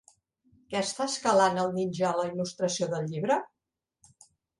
Què està escalant el ninja a la il·lustració del llibre?